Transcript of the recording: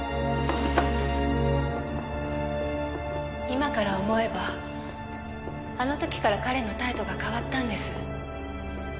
今から思えばあの時から彼の態度が変わったんです。